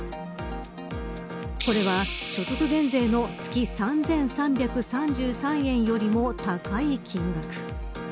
これは所得減税の月３３３３円よりも高い金額。